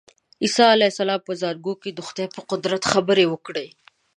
عیسی علیه السلام په زانګو کې د خدای په قدرت خبرې وکړې.